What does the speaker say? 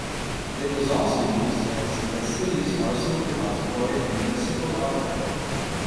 It was also used as the city's arsenal depository and municipal archive.